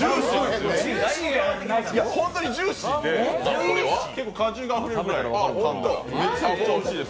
本当にジューシーで果汁があふれるぐらいめちゃくちゃおいしいです。